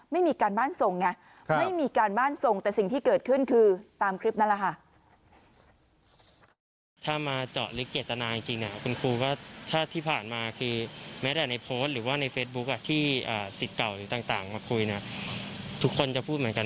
ไม่มีการบ้านทรงไงไม่มีการบ้านทรงแต่สิ่งที่เกิดขึ้นคือตามคลิปนั่นแหละค่ะ